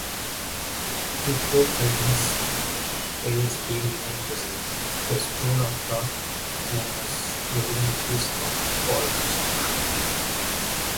Clifford's writings place him within the school of thought known as evidentialist apologetics.